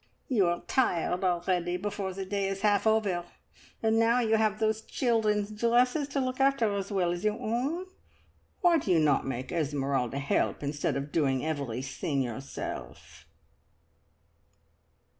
"You are tired already before the day is half over, and now you have those children's dresses to look after as well as your own! Why do you not make Esmeralda help, instead of doing everything yourself?"